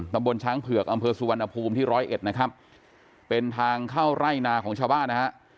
ตำบลช้างเผือกอำเภอสุวรรณภูมิที่ร้อยเอ็ดนะครับเป็นทางเข้าไร่นาของชาวบ้านนะฮะ